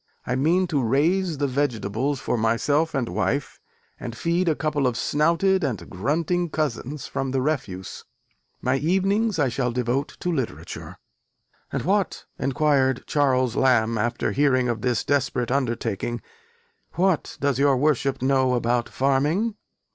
I mean to raise the vegetables for myself and wife, and feed a couple of snouted and grunting cousins from the refuse. My evenings I shall devote to literature." "And what," enquired Charles Lamb after hearing of this desperate undertaking, "what does your worship know about farming?"